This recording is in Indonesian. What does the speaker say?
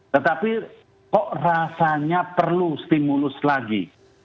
tetapi kok rasanya perlu stimulus lagi